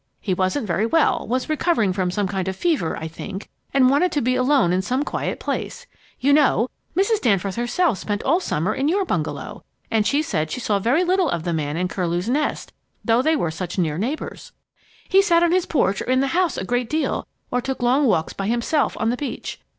He wasn't very well, was recovering from some kind of a fever, I think, and wanted to be alone in some quiet place. You know, Mrs. Danforth herself spent all summer in your bungalow, and she said she saw very little of the man in Curlew's Nest, though they were such near neighbors. He sat on his porch or in the house a great deal, or took long walks by himself on the beach.